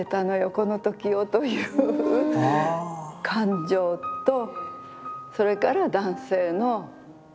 この時を」という感情とそれから男性の決意